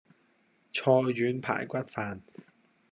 菜遠排骨飯